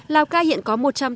lào ca hiện có một trường